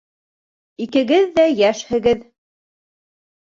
Икегеҙ ҙә йәшһегеҙ.